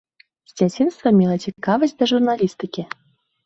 З дзяцінства мела цікавасць да журналістыкі.